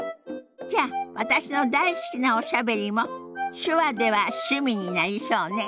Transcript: じゃあ私の大好きな「おしゃべり」も手話では趣味になりそうね。